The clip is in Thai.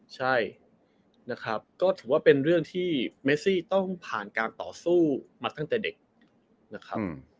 ใช่นะครับก็ถือว่าเป็นเรื่องที่เมซี่ต้องผ่านการต่อสู้มาตั้งแต่เด็กนะครับ